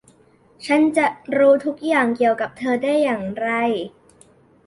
ฉันจะรู้ทุกอย่างเกี่ยวกับเธอได้อย่างไร ?